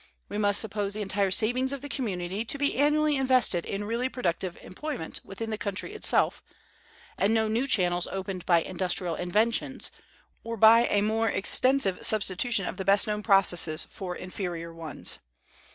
We must suppose the entire savings of the community to be annually invested in really productive employment within the country itself, and no new channels opened by industrial inventions, or by a more extensive substitution of the best known processes for inferior ones.